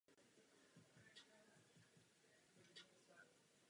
Výměna informací pomáhá v boji proti terorismu.